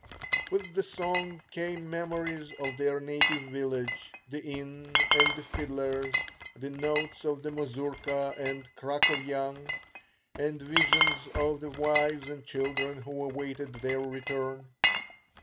With the song came memories of their native village, the inn and the fiddlers, the notes of the mazurka and krakowyan, and visions of the wives and children who awaited their return.